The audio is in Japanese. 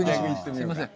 すみません。